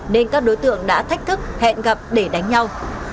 nên các đối tượng đã thách thức hẹn gặp để đánh nhau